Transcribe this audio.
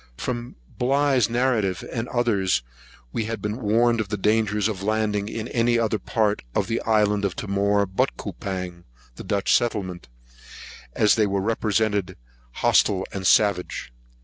From Bligh's narrative, and others, we had been warned of the danger of landing in any other part of the island of Timor but Coupang, the Dutch settlement, as they were represented hostile and savage.